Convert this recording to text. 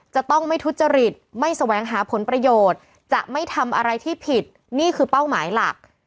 จะต้องไม่ทุจริตไม่แสวงหาผลประโยชน์จะไม่ทำอะไรที่ผิดนี่คือเป้าหมายหลัก